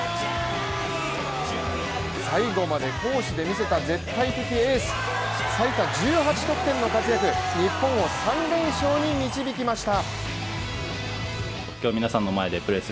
最後まで攻守で見せた絶対的エース、最多１８得点の活躍で日本を３連勝に導きました。